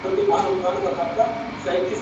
مګر پام کوه چي خوله دي نه کړې خلاصه !.